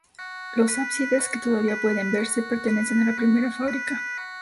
Los ábsides que todavía pueden verse pertenecen a la primera fábrica.